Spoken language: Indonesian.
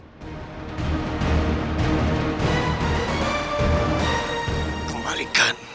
bisa kembali kan